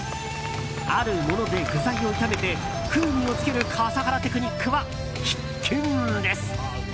あるもので具材を炒めて風味をつける笠原テクニックは必見です。